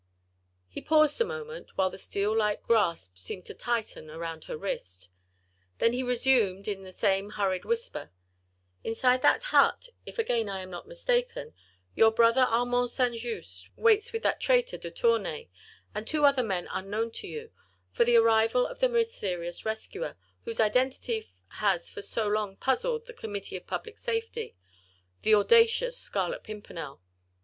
He paused a moment, while the steel like grasp seemed to tighten round her wrist; then he resumed in the same hurried whisper:— "Inside that hut, if again I am not mistaken, your brother, Armand St. Just, waits with that traitor de Tournay, and two other men unknown to you, for the arrival of the mysterious rescuer, whose identity has for so long puzzled our Committee of Public Safety—the audacious Scarlet Pimpernel.